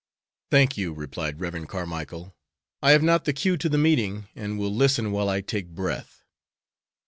"Thank you," replied Rev. Carmicle. "I have not the cue to the meeting, and will listen while I take breath."